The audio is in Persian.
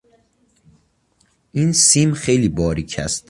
این سیم خیلی باریک است.